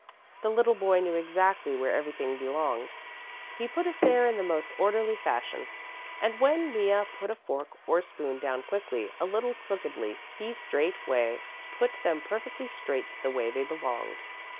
The little boy knew exactly where everything belonged. He put it there in the most orderly fashion, and when Mea put a fork or spoon down quickly a little crookedly, he straightway put them perfectly straight the way they belonged.